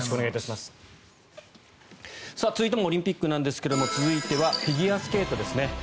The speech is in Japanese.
続いてもオリンピックですが続いてはフィギュアスケートです。